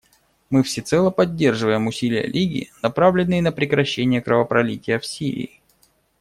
Мы всецело поддерживаем усилия Лиги, направленные на прекращение кровопролития в Сирии.